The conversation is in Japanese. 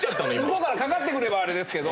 向こうからかかってくればあれですけど。